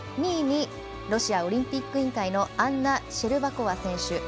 ２位にロシアオリンピック委員会アンナ・シェルバコワ選手。